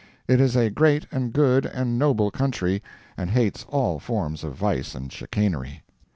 It is a great and good and noble country, and hates all forms of vice and chicanery.